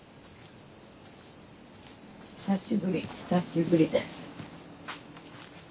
久しぶり久しぶりです。